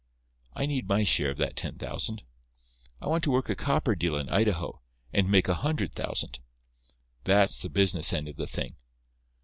I need my share of that ten thousand. I want to work a copper deal in Idaho, and make a hundred thousand. That's the business end of the thing.